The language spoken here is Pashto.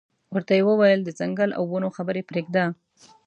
ورته یې وویل د ځنګل او ونو خبرې پرېږده.